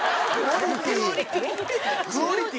クオリティ？